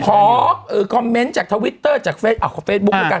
เพราะคอมเมนต์จากทวิตเตอร์จากเฟสบุ๊คเหมือนกัน